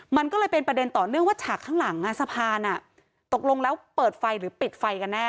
มันก็เลยเป็นประเด็นต่อเนื่องว่าฉากข้างหลังสะพานตกลงแล้วเปิดไฟหรือปิดไฟกันแน่